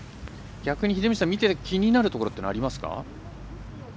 逆に見てて気になるところはありますか？